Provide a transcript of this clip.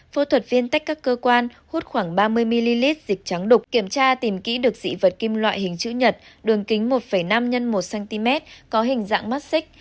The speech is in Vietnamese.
phẫu thuật viên tách các cơ quan hút khoảng ba mươi ml dịch trắng đục kiểm tra tìm kỹ được dị vật kim loại hình chữ nhật đường kính một năm x một cm có hình dạng maxi